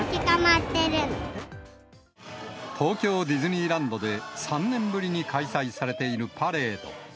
東京ディズニーランドで３年ぶりに開催されているパレード。